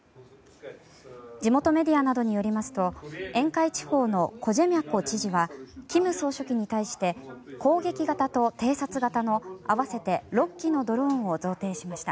地元メディアなどによりますと沿海地方のコジェミャコ知事は金総書記に対して攻撃型と偵察型の合わせて６機のドローンを贈呈しました。